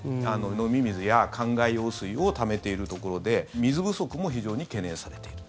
飲み水や、かんがい用水をためているところで水不足も非常に懸念されている。